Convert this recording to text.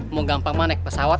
mau gampang mah naik pesawat